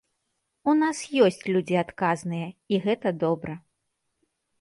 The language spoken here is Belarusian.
У нас ёсць людзі адказныя, і гэта добра.